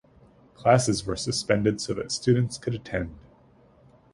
Classes were suspended so that students could attend.